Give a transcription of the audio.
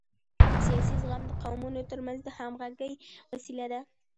سیاسي زغم د قومونو ترمنځ د همغږۍ وسیله ده